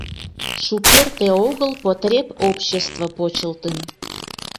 Шукерте огыл потребобщество почылтын.